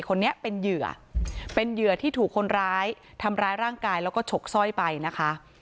คนนี้เป็นเหยื่อเป็นเหยื่อที่ถูกคนร้ายทำร้ายร่างกายแล้วก็ฉกสร้อยไปนะคะ